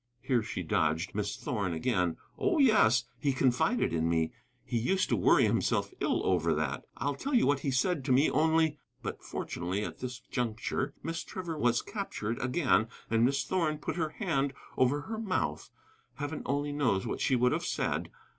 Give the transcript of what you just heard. (Here she dodged Miss Thorn again.) "Oh, yes, he confided in me. He used to worry himself ill over that. I'll tell you what he said to me only " But fortunately at this juncture Miss Trevor was captured again, and Miss Thorn put her hand over her mouth. Heaven only knows what she would have said!